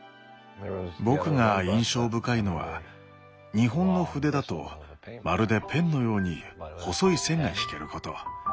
僕が印象深いのは日本の筆だとまるでペンのように細い線が引けること。